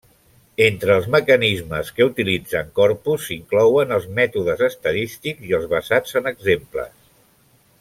Entre els mecanismes que utilitzen corpus s'inclouen els mètodes estadístics i els basats en exemples.